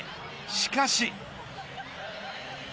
しかし。